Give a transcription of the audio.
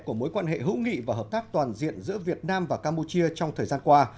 của mối quan hệ hữu nghị và hợp tác toàn diện giữa việt nam và campuchia trong thời gian qua